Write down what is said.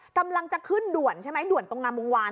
กำลังจะขึ้นด่วนใช่ไหมด่วนตรงงามวงวาน